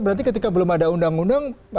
berarti ketika belum ada undang undang